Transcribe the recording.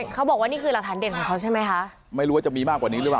เขาบอกว่านี่คือหลักฐานเด่นของเขาใช่ไหมคะไม่รู้ว่าจะมีมากกว่านี้หรือเปล่า